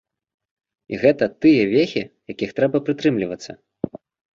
І гэта тыя вехі, якіх трэба прытрымлівацца.